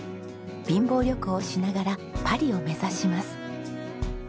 貧乏旅行をしながらパリを目指します。